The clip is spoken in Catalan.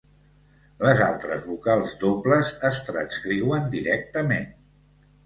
Les altres vocals dobles es transcriuen directament.